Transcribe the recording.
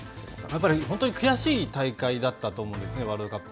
やっぱり本当に悔しい大会だったと思うんですね、ワールドカップ。